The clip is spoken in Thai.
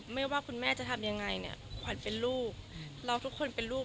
ไม่ว่าคุณแม่จะทำยังไงเนี่ยขวัญเป็นลูกเราทุกคนเป็นลูก